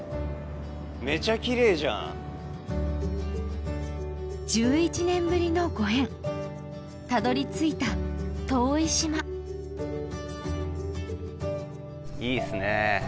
めちゃきれいじゃん１１年ぶりのご縁たどり着いた遠い島いいっすね